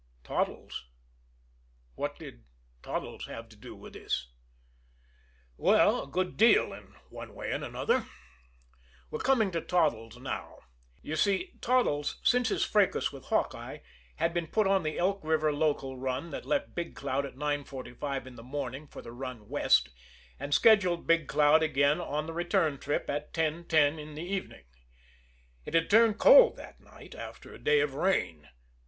Toddles? What did Toddles have to do with this? Well, a good deal, in one way and another. We're coming to Toddles now. You see, Toddles, since his fracas with Hawkeye, had been put on the Elk River local run that left Big Cloud at 9.45 in the morning for the run west, and scheduled Big Cloud again on the return trip at 10.10 in the evening. It had turned cold that night, after a day of rain.